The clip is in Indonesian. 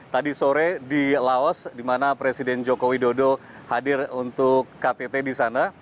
tadi sore di laos di mana presiden joko widodo hadir untuk ktt di sana